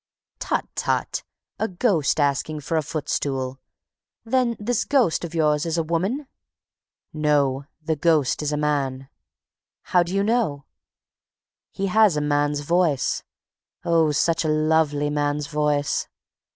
"Tut, tut! A ghost asking for a footstool! Then this ghost of yours is a woman?" "No, the ghost is a man." "How do you know?" "He has a man's voice, oh, such a lovely man's voice!